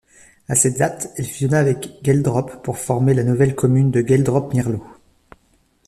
À cette date, elle fusionna avec Geldrop pour former la nouvelle commune de Geldrop-Mierlo.